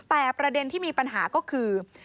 แต่ประเด็นที่มีปัญหาก็คือ